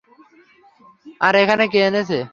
আর, এখানে কে এনেছে?